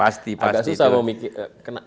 agak susah memikirkan